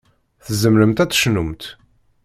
Tzemremt ad tecnumt.